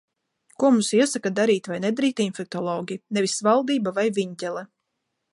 Ko mums iesaka darīt vai nedarīt infektologi. Nevis valdība vai Viņķele.